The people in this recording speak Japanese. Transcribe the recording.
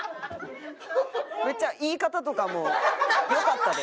めっちゃ言い方とかも良かったで。